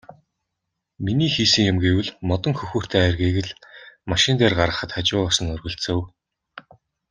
Миний хийсэн юм гэвэл модон хөхүүртэй айргийг л машин дээр гаргахад хажуугаас нь өргөлцөв.